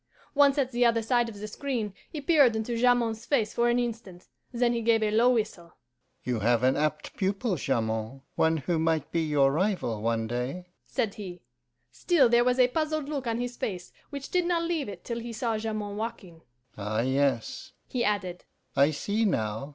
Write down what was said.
Once at the other side of the screen, he peered into Jamond's face for an instant, then he gave a low whistle. 'You have an apt pupil, Jamond, one who might be your rival one day,' said he. Still there was a puzzled look on his face, which did not leave it till he saw Jamond walking. 'Ah yes,' he added, 'I see now.